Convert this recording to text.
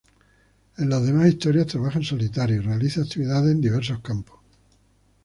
En las demás historias trabaja en solitario y realiza actividades en diversos campos.